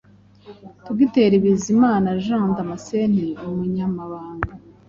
Dr Bizimana Jean Damascène, Umunyamabanga